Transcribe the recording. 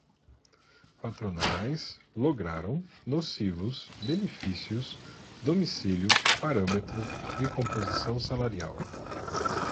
patronais, lograram, nocivos, benefícios, domicílio, parâmetro, recomposição salarial